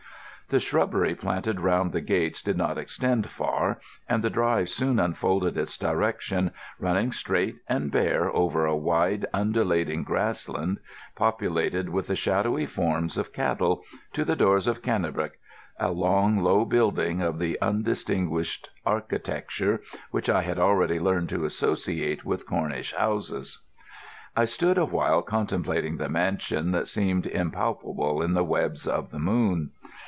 The shrubbery planted round the gates did not extend far, and the drive soon unfolded its direction, running straight and bare over a wide, undulating grassland populated with the shadowy forms of cattle, to the doors of Cannebrake—a long, low building of the undistinguished architecture which I had already learned to associate with Cornish houses. I stood awhile contemplating the mansion that seemed impalpable in the webs of the moon.